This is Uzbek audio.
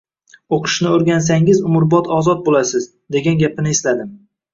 «O‘qishni o‘rgansangiz, umrbod ozod bo‘lasiz» degan gapini esladim.